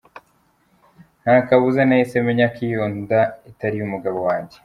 Ntakabuza nahise menya ko iyo nda itari iy’umugabo wanjye.